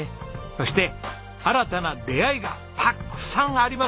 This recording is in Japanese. そして新たな出会いがたっくさんありますように！